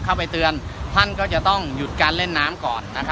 เข้าไปเตือนท่านก็จะต้องหยุดการเล่นน้ำก่อน